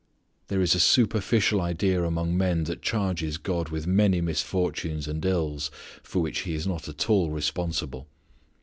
There is a superficial idea among men that charges God with many misfortunes and ills for which He is not at all responsible.